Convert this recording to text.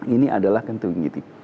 ini adalah yang tuntung gitu